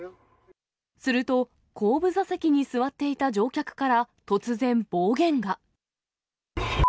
すると、後部座席に座っていた乗客から突然、暴言が。